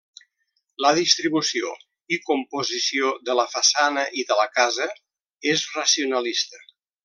La distribució i composició de la façana i de la casa és racionalista.